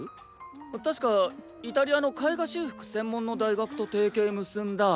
確かイタリアの絵画修復専門の大学と提携結んだ。